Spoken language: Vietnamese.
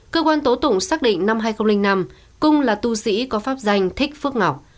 cơ quan tố tụng xác định năm hai nghìn năm cung là tu sĩ có pháp danh thích phước ngọc